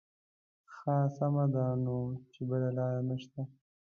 ښه سمه ده نو چې بله لاره نه شته.